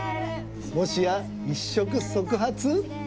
もしや「一触即発」